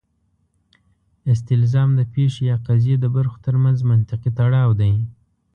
استلزام د پېښې یا قضیې د برخو ترمنځ منطقي تړاو دی.